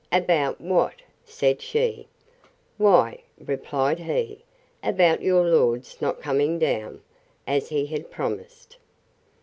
About what? said she. Why, replied he, about your lord's not coming down, as he had promised.